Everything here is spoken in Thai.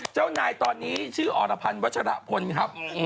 เจ้านายตอนนี้ชื่ออรพันธ์วัชรพลครับ